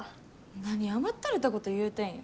何甘ったれたこと言うてんや。